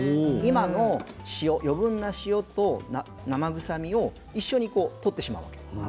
余分な塩と生臭みを一緒に取ってしまおうと。